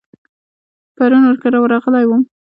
پرون ور کره ورغلی وم.